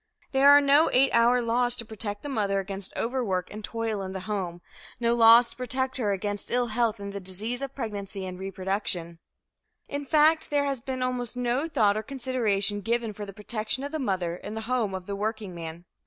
There are no eight hour laws to protect the mother against overwork and toil in the home; no laws to protect her against ill health and the diseases of pregnancy and reproduction. In fact there has been almost no thought or consideration given for the protection of the mother in the home of the workingman.